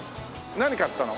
何買ったの？